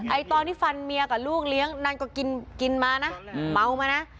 ตอนที่ฟันเมียกับลูกเลี้ยงนั่นก็กินมานะเมามานะ